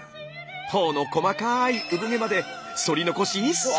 頬の細かい産毛までそり残し一切なし！